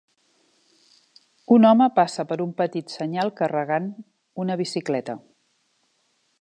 Un home passa per un petit senyal carregant una bicicleta